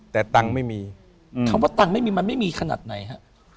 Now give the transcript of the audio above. แต่ตังค์ไม่มีคำว่าตังค์ไม่มีมันไม่มีขนาดไหนฮะ